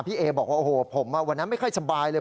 พี่เอบอกว่าผมวันนั้นไม่ค่อยสบายเลย